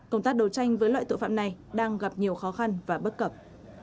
công tác đấu tranh với loại tội phạm này đang gặp nhiều khó khăn và bất cập